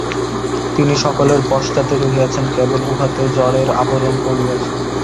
তিনি সকলের পশ্চাতে রহিয়াছেন, কেবল উহাতে জড়ের আবরণ পড়িয়াছে।